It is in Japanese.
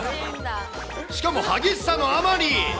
しかも激しさのあまり。